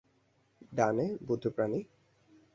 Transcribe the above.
ডানে, বুদ্ধু প্রাণী।